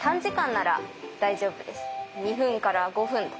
２分から５分とか。